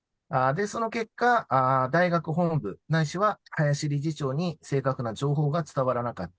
その結果、大学本部ないしは林理事長に正確な情報が伝わらなかった。